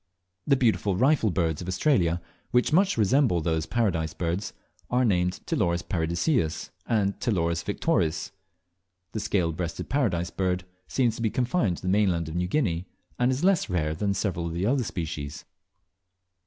The beautiful Rifle Birds of Australia, which much resemble those Paradise Birds, are named Ptiloris paradiseus and Ptiloris victories, The Scale breasted Paradise Bird seems to be confined to the mainland of New Guinea, and is less rare than several of the other species.